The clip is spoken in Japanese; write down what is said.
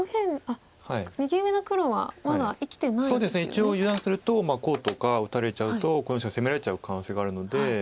一応油断するとこうとか打たれちゃうとこの石が攻められちゃう可能性があるので。